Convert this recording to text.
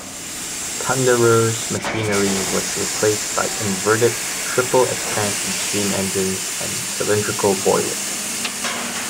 "Thunderer"s machinery was replaced by inverted triple-expansion steam engines and cylindrical boilers.